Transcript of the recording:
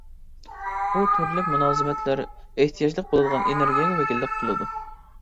بۇ تۈرلۈك مۇلازىمەتلەر ئېھتىياجلىق بولىدىغان ئېنېرگىيەگە ۋەكىللىك قىلىدۇ.